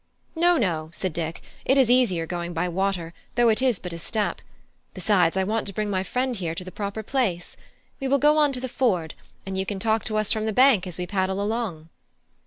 "No, no," said Dick; "it is easier going by water, though it is but a step. Besides, I want to bring my friend here to the proper place. We will go on to the Ford; and you can talk to us from the bank as we paddle along."